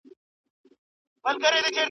روژه نيول د نفس پاکي ده.